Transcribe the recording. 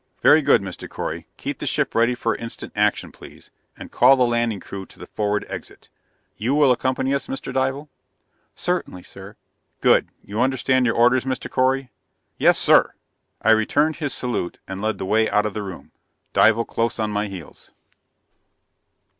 "Very good, Mr. Correy. Keep the ship ready for instant action, please, and call the landing crew to the forward exit. You will accompany us, Mr. Dival?" "Certainly, sir!" "Good. You understand your orders, Mr. Correy?" "Yes, sir!" I returned his salute, and led the way out of the room, Dival close on my heels.